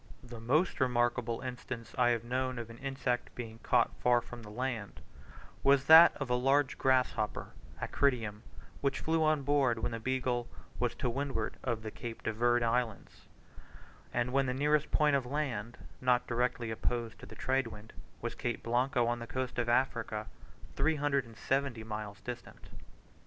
The most remarkable instance I have known of an insect being caught far from the land, was that of a large grasshopper (Acrydium), which flew on board, when the Beagle was to windward of the Cape de Verd Islands, and when the nearest point of land, not directly opposed to the trade wind, was Cape Blanco on the coast of Africa, 370 miles distant.